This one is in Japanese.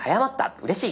うれしい。